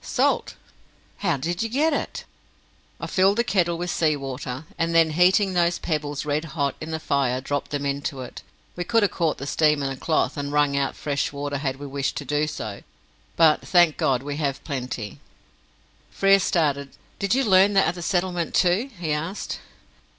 "Salt." "How did you get it?" "I filled the kettle with sea water, and then, heating those pebbles red hot in the fire, dropped them into it. We could have caught the steam in a cloth and wrung out fresh water had we wished to do so. But, thank God, we have plenty." Frere started. "Did you learn that at the settlement, too?" he asked.